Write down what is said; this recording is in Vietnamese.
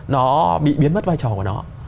nó bị biến mất vai trò của nó